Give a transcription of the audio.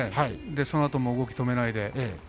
そのあとも動きを止めないで。